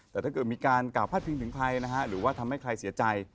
แต่ถ้าเกิดมีการกล่าวพาดพิงถึงใครนะฮะหรือว่าทำให้ใครเสียใจ